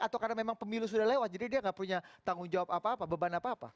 atau karena memang pemilu sudah lewat jadi dia nggak punya tanggung jawab apa apa beban apa apa